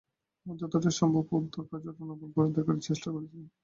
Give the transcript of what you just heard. আমরা যতটা সম্ভব উদ্ধারকার্যটা নকল করে দেখার চেষ্টা করেছি।